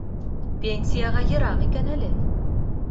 Пенсияға йыраҡ икән әле.